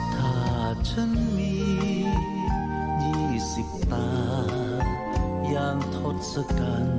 ถ้าฉันมียี่สิบตาอย่างทดสกัน